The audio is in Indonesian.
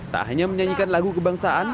tak hanya menyanyikan lagu kebangsaan